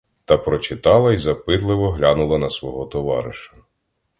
Та прочитала й запитливо глянула на свого товариша.